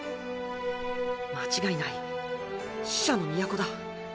間違いない死者の都だ。